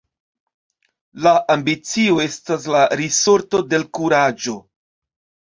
La ambicio estas la risorto de l' kuraĝo.